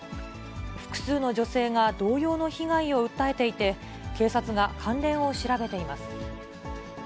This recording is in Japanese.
複数の女性が同様の被害を訴えていて、警察が関連を調べています。